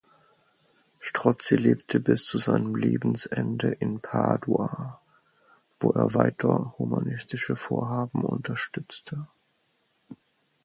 Strozzi lebte bis zu seinem Lebensende in Padua, wo er weiter humanistische Vorhaben unterstützte.